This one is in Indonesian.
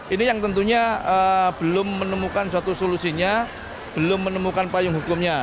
ini yang tentunya belum menemukan suatu solusinya belum menemukan payung hukumnya